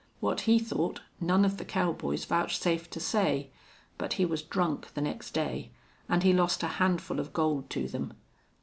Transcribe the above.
What he thought none of the cowboys vouchsafed to say, but he was drunk the next day, and he lost a handful of gold to them.